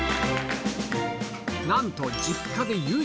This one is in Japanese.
なんと、実家で夕食。